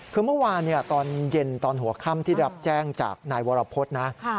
คือเมื่อวานตอนเย็นตอนหัวค่ำที่รับแจ้งจากนายวรพฤษนะ